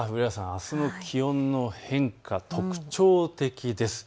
あすの気温の変化、特徴的です。